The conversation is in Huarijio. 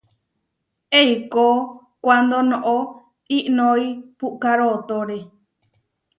Eikó kuándo noʼó iʼnói puʼká rootóre.